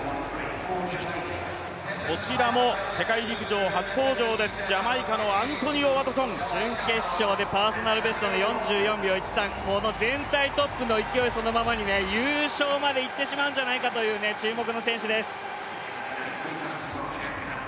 こちらも世界陸上初登場です、ジャマイカのアントニオ・ワトソン準決勝でパーソナルベストの４３秒１３，この全体トップの勢いそのままに優勝までいってしまうんじゃないかと注目の選手です。